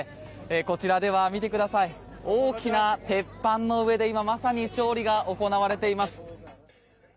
こちらでは、見てください大きな鉄板の上で今まさに調理が行われています。